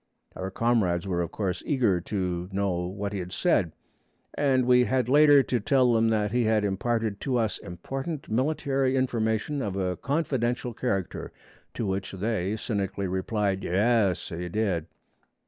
Our comrades were of course eager to know what he had said, and we had later to tell them that he had imparted to us important military information of a confidential character; to which they cynically replied, 'Yaas, he did!'